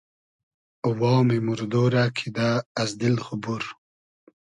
وامی موردۉ رۂ کیدۂ از دیل خو بور